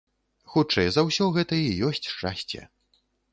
Хутчэй за ўсё, гэта і ёсць шчасце.